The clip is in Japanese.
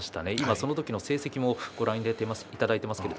その時の成績もご覧いただいています。